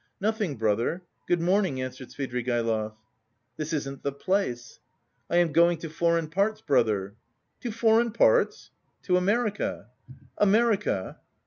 "Nothing, brother, good morning," answered Svidrigaïlov. "This isn't the place." "I am going to foreign parts, brother." "To foreign parts?" "To America." "America."